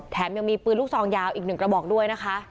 ยังมีปืนลูกซองยาวอีกหนึ่งกระบอกด้วยนะคะ